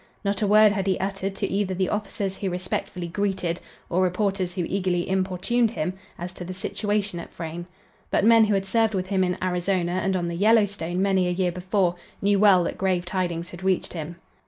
Not a word had he uttered to either the officers who respectfully greeted, or reporters who eagerly importuned, him as to the situation at Frayne; but men who had served with him in Arizona and on the Yellowstone many a year before, knew well that grave tidings had reached him.